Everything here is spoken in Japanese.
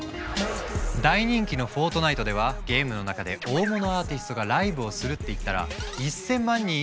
大人気の「フォートナイト」ではゲームの中で大物アーティストがライブをするって言ったら。